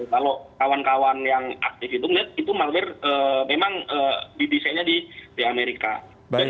kalau kawan kawan yang aktif itu melihat itu malware memang bbc nya di amerika